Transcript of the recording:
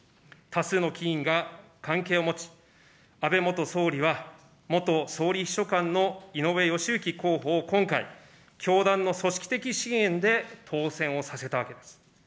多数の議員が関係を持ち、安倍元総理は元総理秘書官の井上義行今回、教団の組織的支援で当選をさせたわけです。